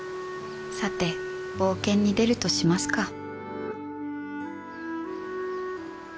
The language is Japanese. さて冒険に出るとしますか